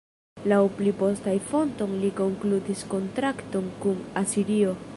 Laŭ pli postaj fontoj li konkludis kontrakton kun Asirio.